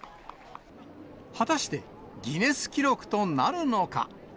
果たして、ギネス記録となるのか。